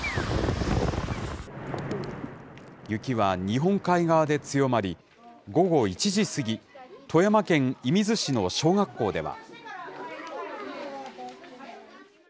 雪は日本海側で強まり、午後１時過ぎ、富山県射水市の小学校では。